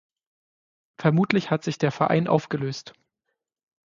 Vermutlich hat sich der Verein aufgelöst.